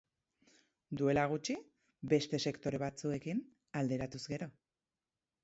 Duela gutxi, beste sektore batzuekin alderatuz gero.